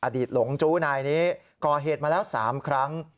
หลงจู้นายนี้ก่อเหตุมาแล้ว๓ครั้ง